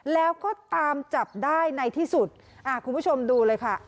แล้วก็ตามจับได้ในที่สุดคุณผู้ชมดูเลยค่ะ